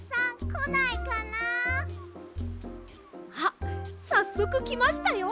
あっさっそくきましたよ！